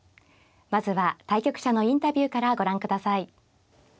まずは対局者のインタビューからご覧ください。